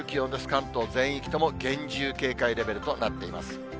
関東全域とも厳重警戒レベルとなっています。